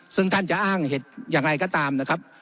ซึ่งท่านจะอ้างเหตุอย่างไรก็ตามนะครับ